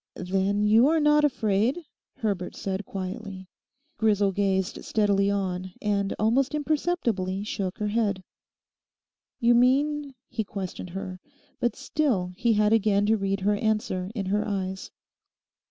'Then you are not afraid?' Herbert said quietly. Grisel gazed steadily on, and almost imperceptibly shook her head. 'You mean?' he questioned her; but still he had again to read her answer in her eyes.